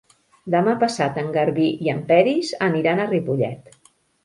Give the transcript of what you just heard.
Demà passat en Garbí i en Peris aniran a Ripollet.